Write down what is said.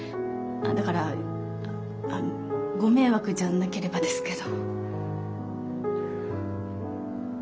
だからご迷惑じゃなければですけど。